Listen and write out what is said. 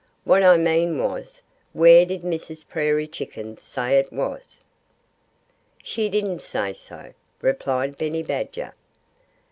"What I meant was, where did Mrs. Prairie Chicken say it is?" "She didn't say," replied Benny Badger.